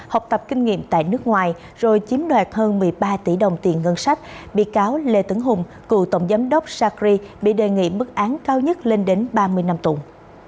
học tập kinh nghiệm tại nước ngoài rồi chiếm đoạt hơn một mươi ba tỷ đồng tiền ngân sách bị cáo lê tấn hùng cựu tổng giám đốc sacri bị đề nghị mức án cao nhất lên đến ba mươi năm tù